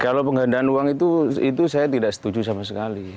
kalau penggandaan uang itu itu saya tidak setuju sama sekali